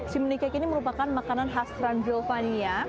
chimney cake ini merupakan makanan khas transylvania